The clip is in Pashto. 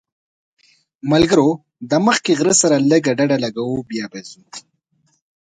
ملګرو دا مخکې غره سره لږ ډډه لګوو بیا به ځو.